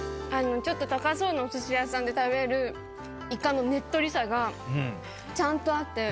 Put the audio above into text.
ちょっと高そうなおすし屋さんで食べるイカのねっとりさが、ちゃんとあって。